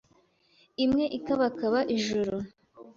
Imwe ikabakaba ijuru